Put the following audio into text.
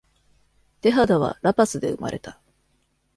テハダはラパスで生まれた。